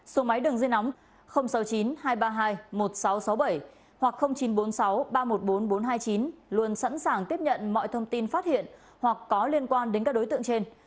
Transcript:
số máy đường dây nóng sáu mươi chín hai trăm ba mươi hai một nghìn sáu trăm sáu mươi bảy hoặc chín trăm bốn mươi sáu ba trăm một mươi bốn nghìn bốn trăm hai mươi chín luôn sẵn sàng tiếp nhận mọi thông tin phát hiện hoặc có liên quan đến các đối tượng trên